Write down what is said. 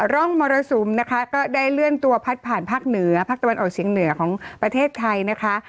ร่องมรสุมนะคะก็ได้เลื่อนตัวพัดผ่านภาคเหนือภาคตะวันออกเฉียงเหนือของประเทศไทยนะคะ